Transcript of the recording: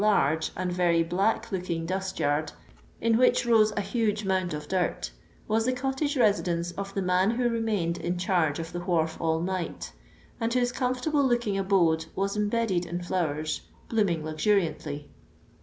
nrge and very black looking dust yard, in which rose a hi:ge mound of dirt, was the cottage residence of the man who remained in charge of the wharf all night, and whose comforUible look ing abode was embedded in flowers, blooming luxuriantly.